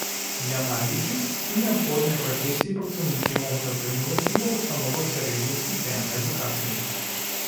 Яна лічыць, што неабходныя прафесіі працаўнікі могуць атрымліваць і ва ўстановах сярэдняй спецыяльнай адукацыі.